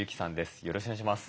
よろしくお願いします。